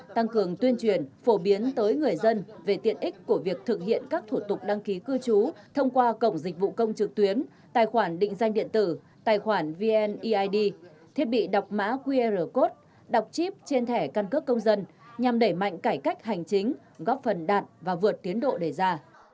tăng cường tuyên truyền phổ biến tới người dân về tiện ích của việc thực hiện các thủ tục đăng ký cư trú thông qua cổng dịch vụ công trực tuyến tài khoản định danh điện tử tài khoản vneid thiết bị đọc mã qr code đọc chip trên thẻ căn cước công dân nhằm đẩy mạnh cải cách hành chính góp phần đạt và vượt tiến độ đề ra